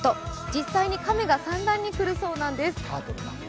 実際に亀が産卵に来るそうなんです。